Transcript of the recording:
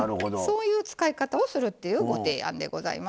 そういう使い方をするっていうご提案でございます。